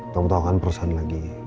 tau tau kan perusahaan lagi